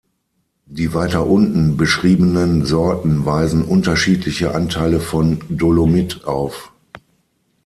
Die weiter unten beschriebenen Sorten weisen unterschiedliche Anteile von Dolomit auf.